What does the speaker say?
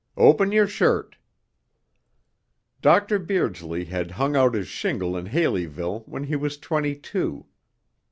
Open your shirt." Dr. Beardsley had hung out his shingle in Haleyville when he was twenty two.